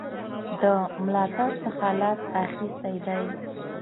د ملاتړ څخه لاس اخیستی دی.